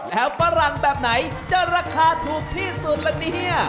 แล้วฝรั่งแบบไหนจะราคาถูกที่สุดละเนี่ย